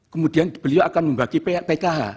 kemudian beliau akan membagi pkh